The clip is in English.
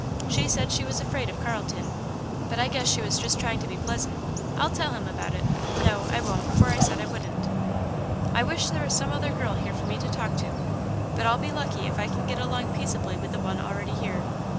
She said she was afraid of Carlton, but I guess she was just trying to be pleasant. I'll tell him about it no, I won't, for I said I wouldn't. "I wish there was some other girl here for me to talk to, but I'll be lucky if I can get along peaceably with the one already here.